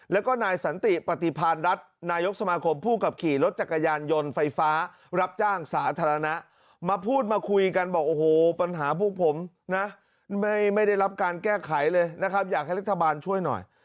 แล้วก็นายสันติปฏิพาณรัฐนายกสมาคมผู้ขับขี่รถจักรยานยนต์ไฟฟ้ารับจ้างสาธารณะมาพูดมาคุยกันบอกโอ้โหปัญหาพวกผมนะไม่ได้รับการแก้ไขเลยนะครับอยากให้รัฐบาลช่วยหน่อย